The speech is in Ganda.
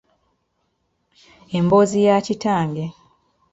Emboozi ya kitange.